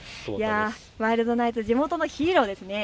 ワイルドナイツ、地元のヒーローですね。